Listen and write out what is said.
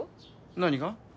何が？